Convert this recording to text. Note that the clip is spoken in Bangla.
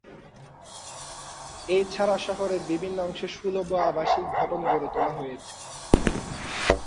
এছাড়া শহরের বিভিন্ন অংশে সুলভ আবাসিক ভবন গড়ে তোলা হয়েছে।